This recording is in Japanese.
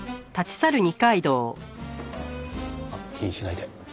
あっ気にしないで。